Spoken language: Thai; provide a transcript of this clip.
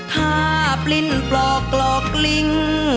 ทาบลิ้นปลอกลอกลอกลิ้น